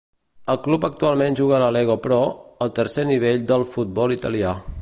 El club actualment juga a Lega Pro, el tercer nivell del futbol italià.